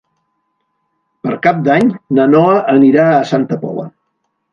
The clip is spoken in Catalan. Per Cap d'Any na Noa anirà a Santa Pola.